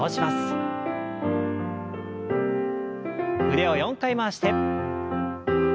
腕を４回回して。